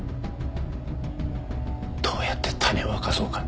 どうやって種を明かそうか。